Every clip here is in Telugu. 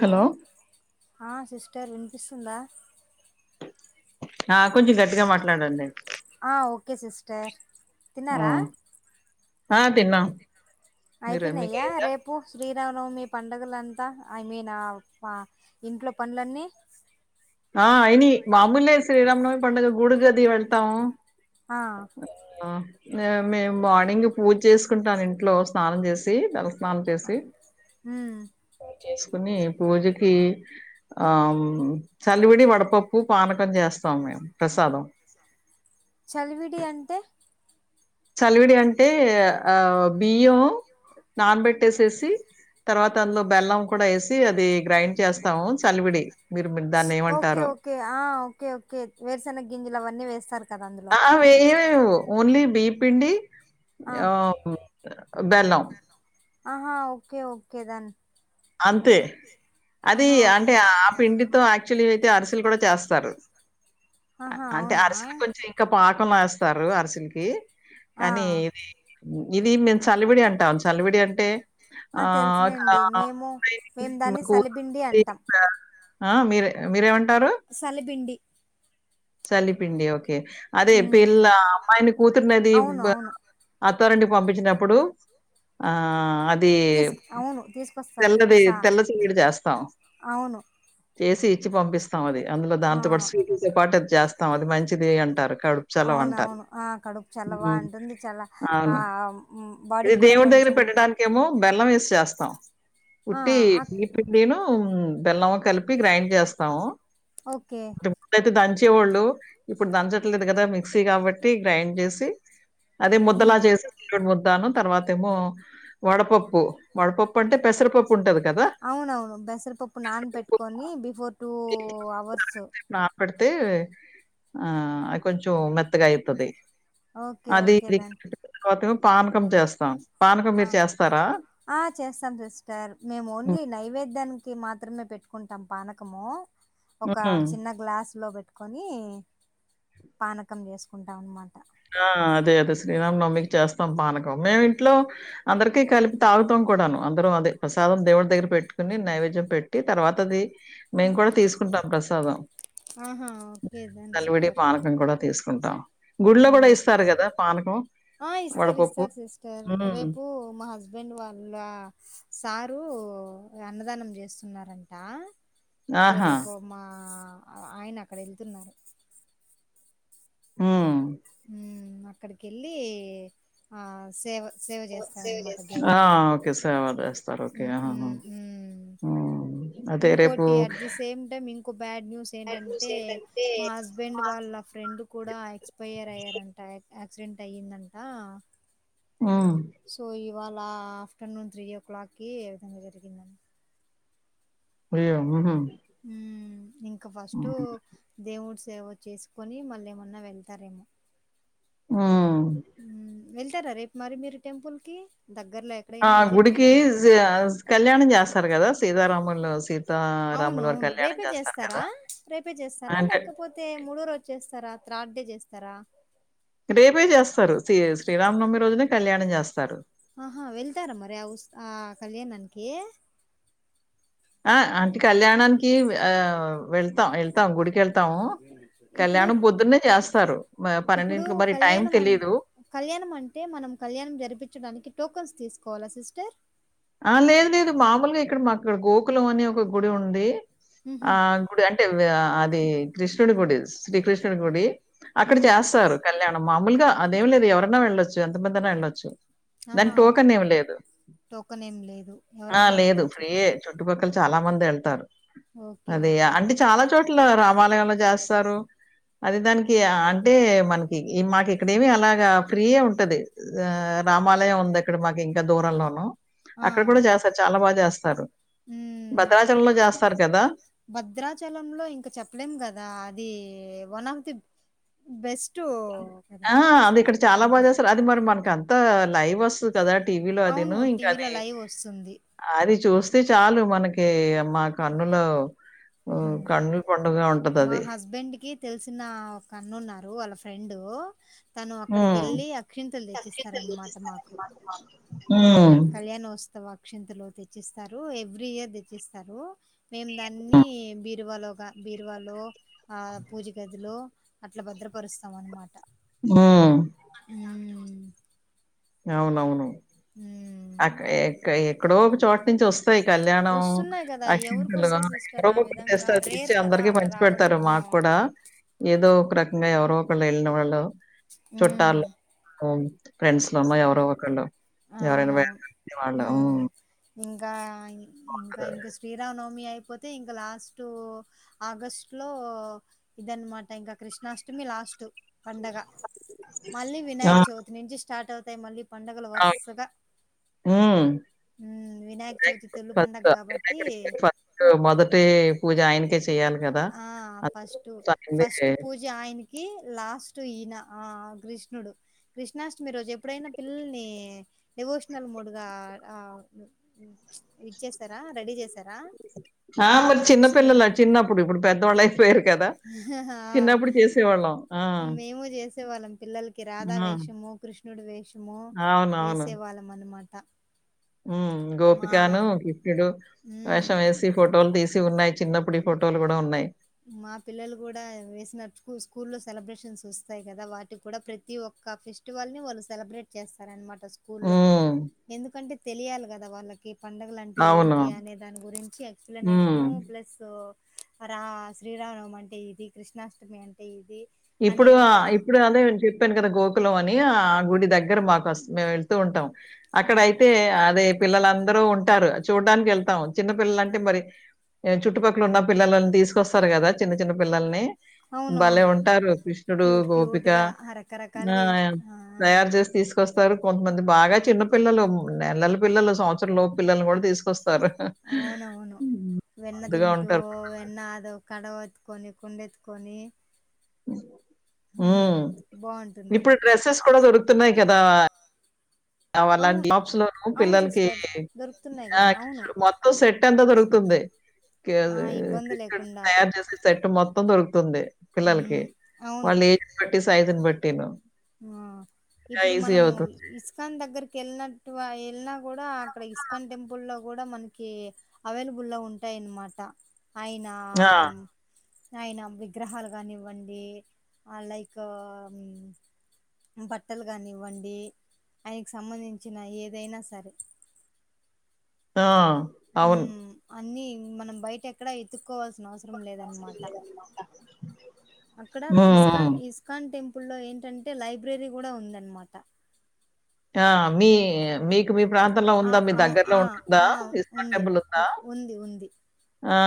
హలో అ సిస్టర్ విన్పిస్తుందా ఆ కొంచం గట్టిగా మాట్లాడండి అ ఓకే సిస్టర్ తిన్నారా ఆ తిన్నాం మీరు మీకు అయిపోనయ్య అయిందా రేపు శ్రీ శ్రీరమనవమి పండుగలంతా ఐ మీన్ అ ప ఇంట్లో పన్లన్నీ ఆ అయినై మామూలే శ్రీరామనవమి పండుగ గూడి గది వెళ్తాము ఆ అ మేమ్ మేమ్ మార్నింగ్ పూజ్ చేస్కుంటామ్ ఇంట్లో స్నానం జేస్ సీ తల స్నానం ఉమ్ చేస్కుని పూజకి ఆమ్ చలివిడి వడపప్పు పానకం చేస్తాం మేము ప్రసాదం చలివిడి అంటే చలివిడి అంటే ఆ బియ్యం నానబెట్టేసేసి తర్వాత అందులొ బెల్లం కూడా యెసి అది గ్రైండ్ చేస్తాము చలివిడి మీరు మీరు ఓకే దాన్నేమంటారో? ఓకే ఆ ఓకే ఓకే వేరుసేనగింజలు అవన్నీ వేస్తారు కదా అందులో ఆ వెయ్యం మెము ఓన్లీ బీ పిండి ఆ ఆహ్ బెల్లం ఆహా ఓకే ఓకే దన్ అంతే అది ఆహా ఓ- అంటే ఆ పిండితో ఆ క్చులీ అయితే అరిసెలు కూడా చేస్తారు ఆహా అంటే అవునా అరిసెలు కొంచెం ఇంకా పాకం లొ ఎస్ తారు అరిసెలకి ఆ కానీ ఇది ఇది నేను చల్విడి అంటాం చలివిడి అంటే అ తెలుసులేండి మేము మేము దాన్ని [unintelligible] సలిబిండి అంటాం అ మిరె మీరేం అం సలిబిండి చలిపిండి ఓకే అదే ఉమ్ పిల్లా అమ్మాయిని కూతుర్నది అవును బ అవును అత్ అత్తరింటికి పంపించినప్పుడు ఆ అద్ తీస్క్ అవును తీసు తెల్లది తెల్ల చలివిడి చేస్తాం అవును చేసి ఇచ్చి పంపిస్తాం అది అందులో ఆ దాంతో పాటు స్వీటుల్తొ పాటు అది చేస్తాం అది మంచిది అంటారు కడుపు చలవ అంటారు అవునవును ఆ కడుపు చల్లవా అంటుంది చాలా ఆ అవును ఇది బాడీకి కూడా దేవుడి దగ్గర కొంచెం పెట్టడానికెమో బెల్లం ఎసి చేస్తాం ఆ ఉట్టి ఆ, బియ పిండిను బెల్లం క్ కలిపి గ్రైండ్ చేస్తాము ఓకే డైతే దంచేవాళ్ళు ఇప్పుడు దంచట్లేదు గదా మిక్సీ కాబట్టి గ్రైండ్ చేసి అదే ముద్దలా చేసి ముద్దాను తర్వాత ఏమో వడపప్పు వడపప్ అవునవును బెసరిపప్పు నాన్ పెట్టుకొని బిఫోర్ టూ అవర్స్ తే ఆ అది కొంచెం మెత్తగా అయితది ఓకే అది ఓకే ఇది దెన్ తర్వాతెమో పానకం చేస్తాం పానకం ఆ మీరు చేస్తారా ఆ చేస్తాం సిస్టర్ మేము హ్మ్. ఓన్లీ నైవేద్యానికి మాత్రమే పెట్టుకుంటాం పానకము ఒక హ్మ్. చిన్న గ్లాసు లో పెట్టుకొని పానకం చేసుకుంటాం అనమాట ఆ అదే అదే శ్రీరామ నవమికి చేస్తాం పానకం మేము ఇంట్లో అందరికి కలిపి తాగుతాం కూడాను అందరం అదదె ప్రసాదం దేవుడి దగ్గర పెట్టుకుని నైవేద్యం పెట్టి తర్వాత అది మేము కూడ తీసుకుంటాం ప్రసాదం ఆహా ఓకే దెన్ చల్విడి సూపర్ పానకం కూడ తీస్ కుంటాం గుళ్లో గూడ ఇస్తారు గదా పానకం ఆ ఇస్తారు వడపప్పు. ఇస్తారు సిస్టర్ హ్మ్. రేపు మా హస్బెండ్ వాళ్ళ సార్ టు అన్నదానం చేస్తున్నారంట సో ఆహా! రేపు మా ఆయన అక్కడెళ్తున్నారు మ్ మ్ అక్కడికి ఎళ్ళి ఆ సేవ సేవ చేస్తారనమాట ఆ దేవునికి ఒకే సేవ చేస్తారు ఒకే మ్మ్, ఆ మ్మ్, మ్మ్. ఓ ఇంకోటి అట్ ది సేమ్ టైమ్ ఇంకో బ్యాడ్ న్యూస్ ఏంటంటే మా హస్బెండ్ వాళ్ళ ఫ్ ఫ్రెండ్ కూడా ఎక్స్పైయర్ అయ్యారంట యాక్సిడెంట్ అయ్యిందంటా మ్ ఇవాళ్ళ ఆఫ్టర్నూన్ త్రీ ఓ క్లాక్కిి ఎ విధంగా జరిగిందంట అయ్యో ఉహు మ్ ఇంకా ఫస్ట్ దేవుడ్ సేవ చేసుకొని మళ్ళేమన్న వెళ్తారేమో మ్ హ్మ్. వెళ్తారా రేప్మరి మీరు టెంపుల్కి ఆ గుడికి కళ్యాణం జేస్తారు కదా సీతారాములు సీత అవునవును రేపే చేస్తారా రేపే చేస్తారా అంటే లేకపోతే మూడోరోచ్చేస్తారా త్రాడే చేస్తారా రేపే చేస్తారు శ్రీ శ్రీరామనవమి రోజునే కళ్యాణం చేస్తారు ఆహా వెళ్తారా మరి ఆ ఉ ఆ కళ్యాణానికి ఆ అంటే కళ్యాణానికి ఆ వెళ్తాం వెళ్తాం గుడికేళ్తాము ఇప్పుడు కళ్యాణం పొద్దున్నే చేస్తారు ఇప్పుడు పన్నెంటికి మరి టైం కళ్యాణం అన్ తెలీదు కళ్యాణం అంటే మనం కళ్యాణం జరిపించడానికి టోకన్స్ తీసుకోవాలా సిస్టర్ ఆ లేదు లేదు మామూలుగా ఇక్కడ మాకుక్కడ గోకులం అని ఒక గుడి ఉంది హుహు. ఆ గుడి అంటే ఆ అది కృష్ణుడి గుడి శ్రీకృష్ణుడి గుడి అక్కడ హ్మ్ చేస్తారు కళ్యాణం మామూలుగా అదేం లేదు ఎవరన్నా వెళ్ళొచ్చు ఎంతమంధైనా వెళ్ళొచ్చు ఆహా! దాన్కి టోకన్ ఏమిలేదు టోకెన్ ఏం లేదు ఎవరైనా వెళ్ళొచ్చు చుట్టుపక్కల చాలా మంది ఎళ్తారు ఓకే. అది ఓకే. అంటే చాలా చోట్ల రామాలయా జేస్తారు అది దానికి అంటే మనకి మాకిక్కడేమి అలాగా ఫ్రీయే ఉంటది ఆ రామాలయం ఉంది ఇక్కడ మాకు ఇంకా దూరంలోను ఆ! అక్కడ కూడా చేస్తారు చాలా బాగా చేస్తారు హ్మ్. ఇక్ భద్రాచలంలో చేస్తారు కదా భద్రాచలంలో ఇంక చెప్పలేం కదా అదీ వన్ ఆఫ్ ది బెస్ట్ ఆ అది ఇక్కడ చాలా బాగా టెంపుల్. చేస్తారు అది మరి మనకంత లైవ్ ఓస్తు కదా టీవీలో అదిను అవును. ఇంకా టీవీలో అది లైవ్ ఒస్తుంది. ఆది చూస్తే చాలు మనకి మా కన్నులో హ్మ్. కన్నుల పండుగ మా ఉంటదది. హస్బెండ్కి తెల్సిన ఒక అన్నున్నారు వాళ్ళ ఫ్రెండు తను హ్మ్. అక్కడికేళ్ళి అక్షింతులు తెచ్చిస్తారన్నమాట మాకు హ్మ్. కళ్యాణోత్సవక్షింతలు తెచ్చిస్తారు ఎవ్రీయర్ తెచ్చిస్తారు మేము దాన్ని బీరువాలో బీరువాలో ఆ పూజగదిలో అట్లా భద్రపరుస్తామన్నమాట ఆహ్ అవునవును ఉహ్ ఆకాయి ఏకాయి ఎక్కడో ఒక చోట ను వస్తాయి కళ్యాణం వస్తున్నాయి కదా అక్షంతలూ ఎవరికొస్తాయి సిస్టర్ ఎవరో ఆ ఒకరు విధంగా తెస్తారు తెచ్చి రేర్ కదా అందరికీ అలా పంచి పెడతారు రావడము మాకు కూడా ఏదో ఒక రకం గా ఎవరోక్కళ్ళు ఎళ్ళిన వాళ్ళు ఉమ్ చుట్టాలు ఫ్రెండ్స్లో లోనో ఎవరోకళ్ళు ఎవర ఉహ్ ఇంకా కదా! ఇంకా శ్రీరామ్నవమి అయి అయిపోతే ఇంకా లాస్టూ ఆగస్ట్లో ఇదనమాట ఇంకా కృష్ణాష్టమి లా లాస్ట్ పండగ మళ్ళీ ఆ! వినాయక్ చవితి నుంచి స్టార్ట్ అవుతాయి మళ్ళీ పడు పండగలు ఆ! వర్సగా హ్మ్. ఉహ్ వినాయక చవితి తెలుగు పండగ కాబట్టి ఇప్పుడూ మొదటి పూజా అయ్యనకే చెయ్యాలి ఆ ఫస్టు ఫస్ట్ పూజాయ్నకి లాస్ట్ ఈయన ఆ కృష్ణుడు కృష్ణాష్టమి రోజేప్పుడైనా పిల్లల్ని డెవోషనల్ మూడ్గా ఆ ఇచ్చేసారా రెడీ చేస్ ఆ మరి చిన్నపిల్లలు చిన్నప్పుడు ఇప్పుడు పెద్దవాళ్ళైపోయారు కదా ఆ, చిన్నప్పుడు చేసేవాళ్ళం ఆ మేము చేసేవాళ్ళం పిల్లలకి రాధా ఆ! వేషము కృష్ణుడు వేషము వేసేవాళ్ళం అనమాట ఉ గోపికాను కృష్ణుడు వేషం ఉమ్, వేసి ఫోటోలు తీసి ఉన్నాయి చి చిన్నప్పుడు ఈ ఫోటోలు కూడా ఉన్నాయి మా పిల్లలు కూడా వేసినట్ స్కూల్ లో సెలబ్రేషన్స్ వస్తాయి కదా వాటికి కూడా ప్రతి ఒక్క ఒక ఫెస్టివల్ ని వాళ్ళు సెలబ్రేట్ చేస్తారన్నమాట స్కూల్లో హ్మ్. ఎందుకంటే తెలియాలి కదా వాళ్ళకి పండుగలు అంటే అవును. ఏంటి అనే దాని గురించి ఎక్స్ప్లనేషన్ హ్మ్. ప్లస్ రా శ్రీరామ నవమి అంటే ఇది కృష్ణాష్టమి అంటే ఇది అని ఇప్పుడు ఆ ఒక ఇప్పుడు అదే చెప్పాను కదా గో కులం అని ఆ గుడి దగ్గర మాకు మేము వెళ్తూ ఉంటాం అక్కడ ఆ అయితే అదే పిల్లలు అంత అందరు ఉంటారు చూడ్డానికి వెళ్తాం చిన్నపిల్లలు అంటే మరి చుట్టుపక్కల ఉన్న పిల్లని తీసుకొస్తారు కదా చిన్న చిన్న పిల్లల్ని భలే అవునవును ఉంటారు. కృష్ణుడు క్యూట్ గోపిక క్యూట్గా ఆ రకరకాలుగా చేస్ ఆ తయారు చేసి తీసుకొస్తారు కొంతమంది బాగా చిన్నపిల్లలు నెలల పిల్లలు సంవత్సరం లోపు పిల్లని కూడా తీసుకొస్తారు అవునవును హ్మ్. వెన్న ముద్దుగా తింటు ఉంటారు. వెన్న అద కడవ కొని కుండెత్తుకొని ఉ ఆహా బాగుంటుంది ఇప్పుడు డ్రెస్సెస్ కూడా దొరుకుతున్నాయి కదా అ అవును అలాంటి షాప్స్ లోను అవును పిల్లలకి సిస్టర్ దొరుకుతున్నాయి ఆ కదా అవును మొత్తం సెట్ ఎంత దొరుకుతుంది ఆ అది ఇబ్బంది కృష్ణుడికి లేకుండా తయారు చేసే సెట్ మొత్తం దొరుకుతుంది పిల్లలకి మ్మ్ అవును వాళ్ళ ఏజ్ బట్టి సైజు బట్టిను ఆ ఇంకా ఇప్పుడు ఈజీ మనము అవుతుంది. ఇస్కాన్ దగ్గరకి కేల్నట్టుగా వెళ్ళిన కూడా అక్కడ ఇస్కాన్ టెంపుల్ లో కూడా మనకి అవైలబుల్ లో ఉంటాయి అన్మాట ఆయినా ఆ! ఆయిన విగ్రహాలు కానివ్వండి లైక్ బట్టలు కాని ఇవ్వండి ఆయనకి సంబంధించిన ఏదైనా సరే ఆ అవును అన్ని మనం బయట ఎక్కడ ఎత్తు కోవాల్సిన అవసరం లేదన్నాట అక్కడ హ్మ్. ఇస్కాన్ ఇస్కాన్ టెంపుల్ టెంపుల్ లో ఏంటంటే లైబ్రరీ కూడా ఉందనమాట ఆ మీ మీకు ప్రాంతంలో ఆ ఉందా మీ అవు దగ్గరలో ఆ ఉంటుందా ఆ ఇస్కాన్ ఉంది టెంపుల్ ఉందా ఉ- ఉంది ఉంది ఆ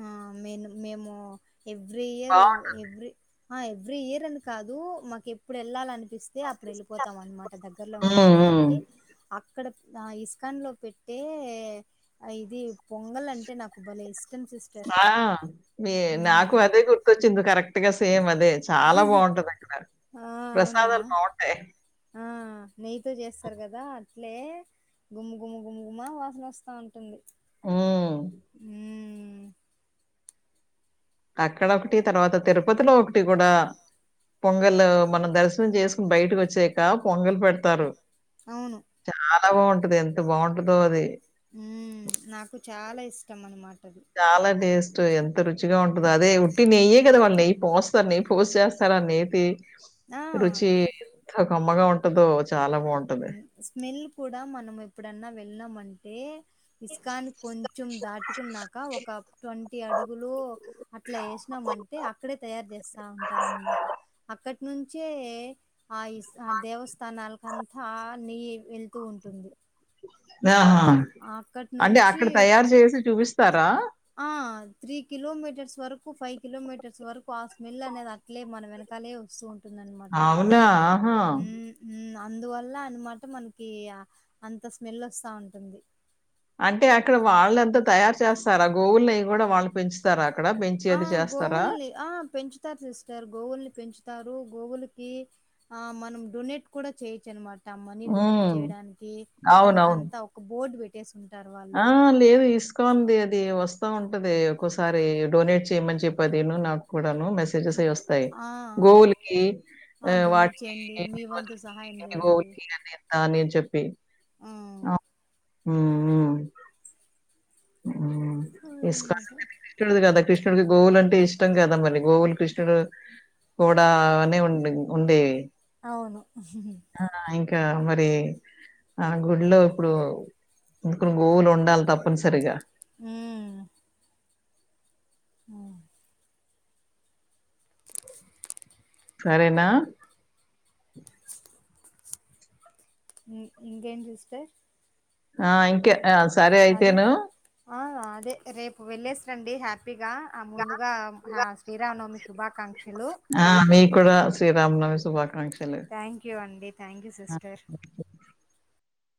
ఆ మేను మేము ఎవ్రీ ఇయర్ బావుంటుంది. ఎవ్రీ ఆ ఎవ్రీ ఇయర్ అని కాదు మాకు ఎప్పుడు వెళ్ళాలిని పిస్తే అప్పుడు వెళ్ళిపోతాం అనమాట దగ్గర్లో ఉంటుంది హ్మ్. హ్మ్. కాబట్టి ఇక్కడ ఇస్కాన్ లో పెట్టే ఇది పొంగల్ అంటే నాకు బలే ఇష్టం సిస్టర్ ఆ మీ నాకు మ్మ్ అదే గుర్తొచ్చింది కరెక్ట్ గా సేమ్ అది అదే చాలా బాగుంటది అక్కడ ఆ అవునా ప్రసాదాలు బావుంటాయి ఆ నెయ్యితో చేస్తారు కదా అట్లే గుమ్ గుమ్ గుమ్గుమ్మ వాసన వస్తా ఉంటుంది ఉమ్ మ్మ్ అక్కడ ఒకటి తర్వాత తిరుపతిలో ఒకటి కూడా పొంగలు మనం దర్శనం చేసుకోని బయటకి వచ్చాక పొంగలు పెడతారు అవును చాలా బాగుంటది ఎంత బాగుంటదో అది ఉ నాకు చాలా ఇష్టం అన్నమాట చాలా టెస్ట్ ఎంత రుచిగా ఉంటదో అదే ఉట్టి నెయ్యే కదా వాళ్ళు నెయ్యి పోస్తారు నెయి పోషే స్తర అ నెతీ ఆ కమ్మగా ఉంటదో చాలా బావుంటది. ఉ స్మెల్ కూడా మనం ఎప్పుడన్నా వెళ్ళమంటే ఇస్ కాన్ కొంచెం దాటుకున్నాక ఒక ట్వంటీ అడుగులు అట్లా ఎషి మంటె అక్కడే తయారు జేస్తాఉంటరు అన్ మాట అక్కడ్ నుంచే ఆ ఇ ఇస్ ఆ దేవస్థానాల్ కంత్ హనీ వేల్ తు ఉంటుంది న్య ఆహా అక్కడి అంటే నుంచి అక్కడ్ తయారు జేసి చూపిస్తారా త్రీ కిలోమీటర్స్ వరకు ఫై కిలోమీటర్స్ వరకు ఆ స్మెల్ అనేది అట్లే మన వెనకాలే వస్తుంన్ టున్ అన్ మాట అవునా! ఆహా! హ్మ్ ఉమ్ మా అందువల్ల అన్ మాట మనకి ఆ అంత స్మెల్ వస్తా ఉంటుంది అంటే అక్కడ వాలంతా తయారు చేస్తారా గోవుల్ నెయ్ కూడా వాళ్ళు పెంచుతార అక్ ఆ గోవు ల్ నీ ఆ పెంచుతరు సిస్టర్ గోవుల్ నీ పెంచుతారు గోవులు కీ ఆ మనం డొనేట్ కూడా చేయొచ్ అన్ మట్ టా మనీ డొనేట్ హ్మ్. చేయడానికి దన్ అవునవును. కాంత ఒక బోర్డు బేటేస్ ఉం ఆ లేదు ఇస్ కాన్ దీ అది వస్ తా ఉంటది ఒకోసారి డొనేట్ చేయమని చేపి అదీను నాక్ కుడ్ లను మెసేజెస్ ఎ వస్తయి ఆ గోవుల్ కి ఆ వాట్ డొనేట్ కి చేయండి మీ ఇన్ని వంతు రోజులు సహాయం ఇవి చేయండి గోవుకి అనేర్ తనేమ్ చెప్పి ఆ హుమ్ హ్మ్ హ్మ్ ఇస్ కాన్ ఉండేది క్రిష్ణునిది కదా క్రీష్ణుడికి గోవులంటే ఇష్ ఇష్టం కద మరి గోవుల్ క్రీష్ణుడు కూడా అనే ఉండింగ్ ఉండే ఔను ఉహుమ్ గా మరి ఆ గుడ్ లో ఇప్పుడు గ్రో గోవుల్ ఉండాల్ తప్పన్ స్ ఉమ్ ఆ సరేనా హ్మ్ ఇంగెన్ జీస్టర్ ఆ ఇంకే ఆ సరే అయితేను ఆ అదే రేపు వెలేస్ రండి హ్యాపీగా ఆ ముందుగా ఆ శ్రీరామ్ నవ్ మి శుభాకాంక్ ఆ మీ కూడా శ్రీరామ్ నవ్ మి శుభాకాంక్ ష్ థ్యాంక్ యూ అండి థ్యాంక్ యూ సిస్టర్